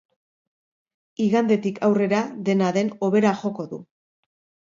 Igandetik aurrera, dena den, hobera joko du.